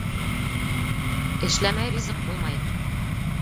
Эшләмәй ризыҡ булмай.